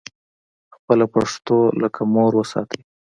خپله پښتو لکه مور وساتئ